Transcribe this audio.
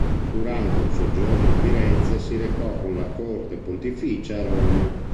Dopo un soggiorno a Firenze si recò con la corte pontificia a Roma.